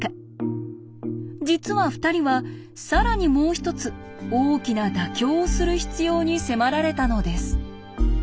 実は２人は更にもう一つ大きな妥協をする必要に迫られたのです。